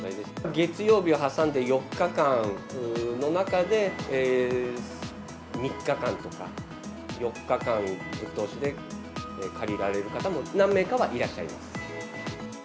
月曜日を挟んで４日間の中で、３日間とか、４日間ぶっ通しで借りられる方も、何名かはいらっしゃいます。